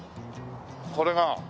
これが。